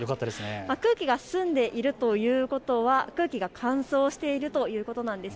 空気が澄んでいるということは空気が乾燥しているということなんです。